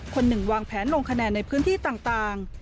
คนหนึ่งวางแผนลงคะแนนในพื้นที่ต่าง